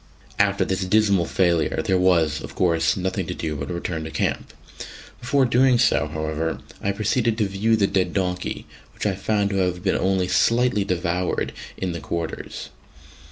After this dismal failure there was, of course, nothing to do but to return to camp. Before doing so, however, I proceeded to view the dead donkey, which I found to have been only slightly devoured it the quarters.